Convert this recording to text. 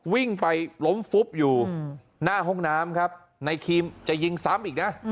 วิ่งไปล้มฟุบอยู่หน้าห้องน้ำครับในครีมจะยิงซ้ำอีกนะ